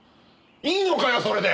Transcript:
いいのかよそれで？